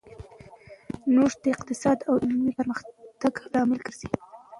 نوښت د اقتصادي او علمي پرمختګ لامل ګرځي.